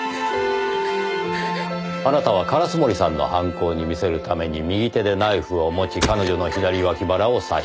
あなたは烏森さんの犯行に見せるために右手でナイフを持ち彼女の左脇腹を刺した。